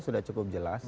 sudah cukup jelas